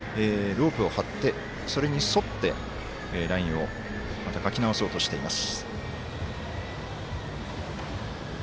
これから、三塁線今、ロープを張ってそれに沿ってラインを書き直そうとしています。